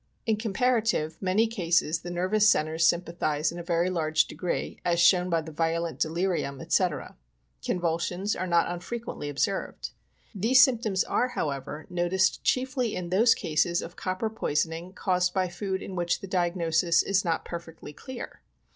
In comparative many cases the nervous centres sympathize in a very large degree, as shown by the violent delirium, etc. Convulsions are not unfrequently observed. These symptoms are, however, noticed chiefly in those cases of copper poisoning caused by food in which the diagnosis is not perfectly clear.